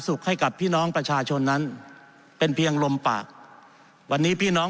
ให้กับพี่น้องประชาชนนั้นเป็นเพียงลมปากวันนี้พี่น้อง